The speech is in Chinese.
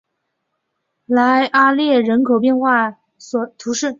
莱阿列人口变化图示